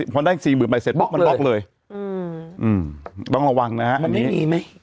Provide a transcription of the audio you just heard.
พอได้สี่หมื่นใหม่เสร็จปุ๊บมันบล็อกเลยอืมต้องระวังนะฮะมันไม่มีไหม